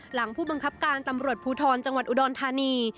หลังผู้บังคับการตำรวจภูทรจังหวัดอุดรธานี